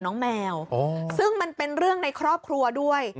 น้องแมวซึ่งมันเป็นเรื่องในครอบครัวด้วย